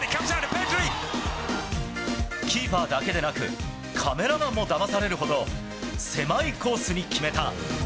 キーパーだけでなく、カメラマンもだまされるほど、狭いコースに決めた。